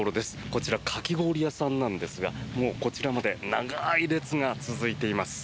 こちら、かき氷屋さんなんですがもうこちらまで長い列が続いています。